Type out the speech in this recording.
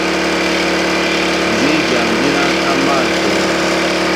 Nzí dyam dínán á mál a tóm,